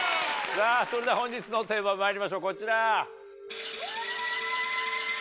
それでは本日のテーマまいりましょうこちら。